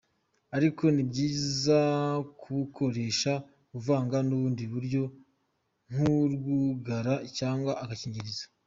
Ariko ni byiza kubukoresha uvanga n’ubundi buryo nk’urwugara cyangwa agakingirizo.